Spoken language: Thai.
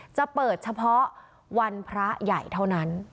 จะเปิดเฉพาะวันพระใหญ่เท่านั้น